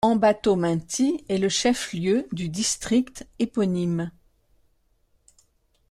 Ambatomainty est le chef-lieu du district éponyme.